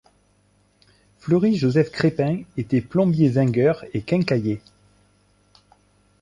Fleury Joseph Crépin était plombier-zingueur et quincaillier.